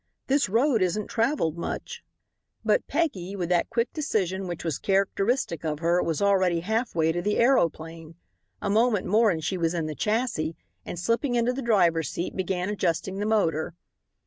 This road isn't travelled much." But Peggy, with that quick decision which was characteristic of her, was already half way to the aeroplane. A moment more and she was in the chassis, and slipping into the driver's seat began adjusting the motor.